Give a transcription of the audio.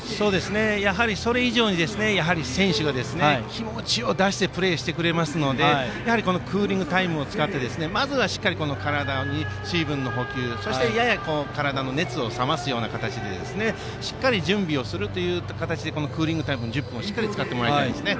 やはりそれ以上に選手たちが気持ちを出してプレーしてくれますのでこのクーリングタイムを使ってまずはしっかり水分補給をしてそして、やや体の熱を冷ます形でしっかり準備をするという形でクーリングタイムの１０分を使ってもらいたいですね。